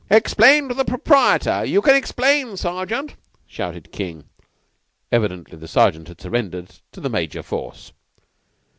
"Explain to the proprietor. You can explain, Sergeant," shouted King. Evidently the Sergeant had surrendered to the major force.